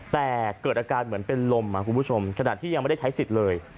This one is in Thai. แต่เกิดอาการเหมือนเป็นลมคุณผู้ชมขณะที่ยังไม่ได้ใช้สิทธิ์เลย